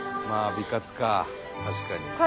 美活か確かに。